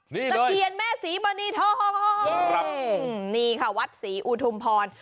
นี่ตะเคียนแม่ศรีมณีทองนี่ค่ะวัดศรีอุทุมพร